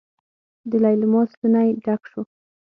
د ليلما ستونی ډک شو.